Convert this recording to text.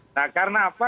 nah karena apa